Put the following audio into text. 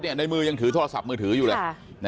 ในมือยังถือโทรศัพท์มือถืออยู่เลย